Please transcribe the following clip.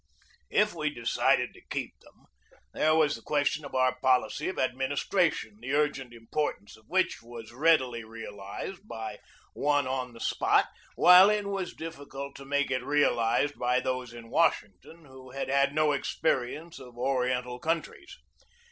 If we decided to keep them, there was the ques tion of our policy of administration the urgent im portance of which was readily realized by one on the spot, while it was difficult to make it realized by those in Washington who had had no experience of Oriental countries.